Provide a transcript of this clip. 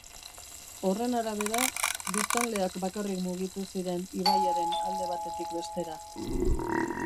Horren arabera, biztanleak bakarrik mugitu ziren ibaiaren alde batetik bestera.